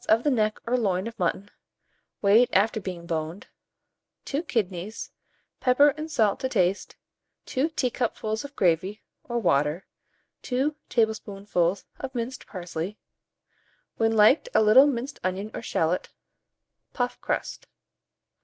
of the neck or loin of mutton, weighed after being boned; 2 kidneys, pepper and salt to taste, 2 teacupfuls of gravy or water, 2 tablespoonfuls of minced parsley; when liked, a little minced onion or shalot; puff crust.